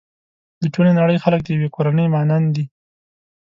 د ټولې نړۍ خلک د يوې کورنۍ مانند دي.